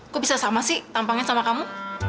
kok bisa sama sih tampangnya sama kamu